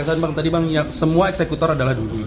juga tadi bang yang semua eksekutor adalah duduk dulu